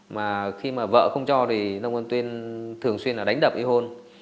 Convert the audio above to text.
mà khi mà vợ không cho thì nông văn tuyên thường xuyên là đánh đập y hôn